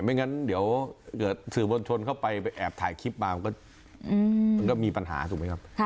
ไม่งั้นเดี๋ยวเผื่อจะเผื่อเซอร์บอลชนเข้าไปไปแอบถ่ายคลิปมามันก็มีปัญหาถูกไหมครับ